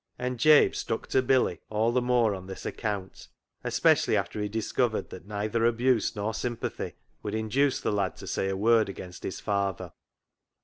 And Jabe stuck to Billy all the more on this account, especially after he discovered that neither abuse nor sympathy would induce the lad to say a word against his father.